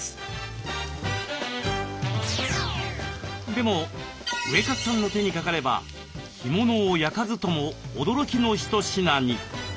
でもウエカツさんの手にかかれば干物を焼かずとも驚きの一品に。